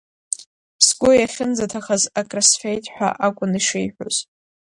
Сгәы иахьынӡаҭахыз акрысфеит ҳәа акәын ишиҳәоз.